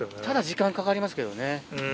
ただ時間かかりますけどね。